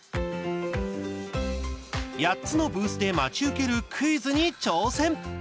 ８つのブースで待ち受けるクイズに挑戦。